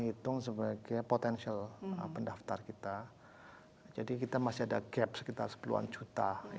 hitung sebagai potensial pendaftar kita jadi kita masih ada gap sekitar sepuluh an juta